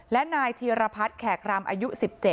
และนายธีรพัฒน์แขกรำอายุ๑๗